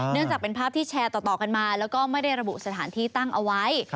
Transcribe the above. จากเป็นภาพที่แชร์ต่อกันมาแล้วก็ไม่ได้ระบุสถานที่ตั้งเอาไว้